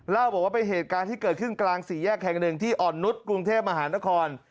เล่าบอกว่าเป็นเหตุการณ์ที่เกิดขึ้นกลางสี่แยกแห่งหนึ่งที่อ่อนนุษย์กรุงเทพมหานคร